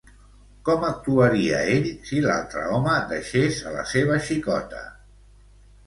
Com actuaria ell si l'altre home deixés a la seva xicota?